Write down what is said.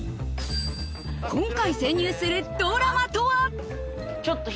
今回潜入するドラマとは⁉